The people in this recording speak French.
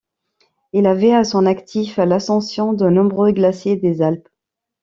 Il avait à son actif l'ascension de nombreux glaciers des Alpes.